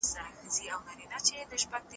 علم په پښتو تل رڼا لري.